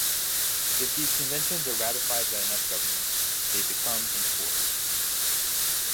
If these conventions are ratified by enough governments, they become in force.